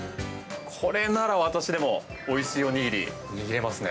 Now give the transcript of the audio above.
これなら私でもおいしいおにぎり、握れますね。